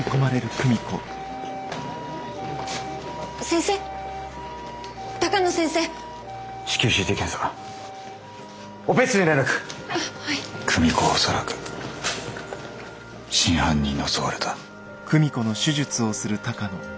久美子は恐らく真犯人に襲われた。